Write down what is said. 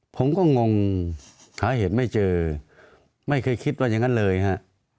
ผมก็งงหาเหตุไม่เจอไม่เคยคิดว่าอย่างนั้นเลยฮะ